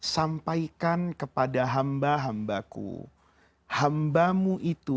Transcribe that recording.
sampaikan kepada hamba hambaku